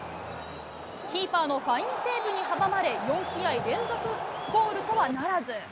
キーパーのファインセーブに阻まれ、４試合連続ゴールとはならず。